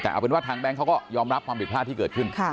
แต่เอาเป็นว่าทางแบงค์เขาก็ยอมรับความผิดพลาดที่เกิดขึ้น